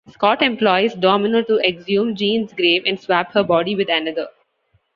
Scott employs Domino to exhume Jean's grave and swap her body with another.